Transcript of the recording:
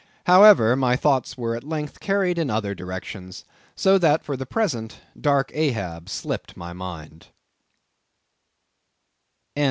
However, my thoughts were at length carried in other directions, so that for the present dark Ahab slipped my mind.